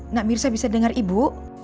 nggak mirsa bisa dengar ibu